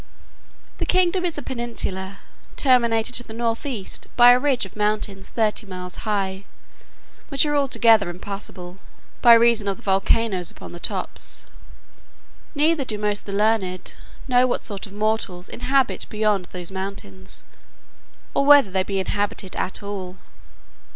The kingdom is a peninsula, terminated to the north east by a ridge of mountains thirty miles high, which are altogether impassable, by reason of the volcanoes upon the tops: neither do the most learned know what sort of mortals inhabit beyond those mountains, or whether they be inhabited at all.